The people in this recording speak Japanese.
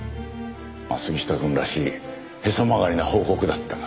まあ杉下くんらしいへそ曲がりな報告だったが。